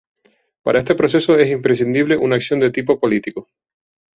Para este proceso es imprescindible una acción de tipo político.